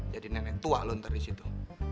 jadi nenek tua lo ntar disitu